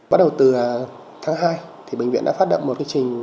bắt đầu từ tháng hai bệnh viện đã phát động một quy trình